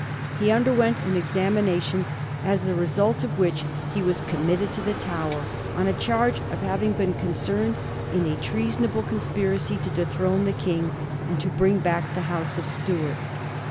He underwent an examination, as the result of which he was com mitted to the Tower, on a charge of having been concerned in a treasonable conspiracy to dethrone the King, and to bring back the House of Stuart.